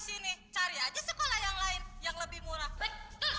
sini cari aja sekolah yang lain yang lebih murah baik